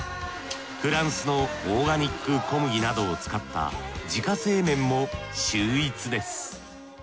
フランスのオーガニック小麦などを使った自家製麺も秀逸です。